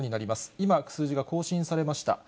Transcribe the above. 今、数字が更新されました。